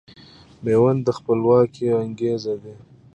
ميوند د خپلواکۍ انګېزه ده